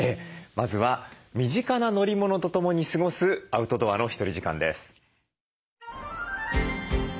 まずは身近な乗り物とともに過ごすアウトドアのひとり時間です。